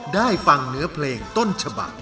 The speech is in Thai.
ได้ฟังเนื้อเพลงต้นฉบัก